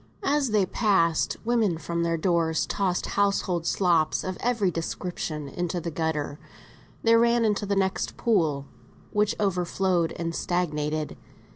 As they passed, women from their doors tossed household slops of every description into the gutter; they ran into the next pool, which overflowed and stagnated.